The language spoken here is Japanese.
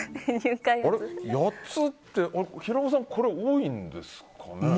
８つって、平子さんこれ多いんですかね？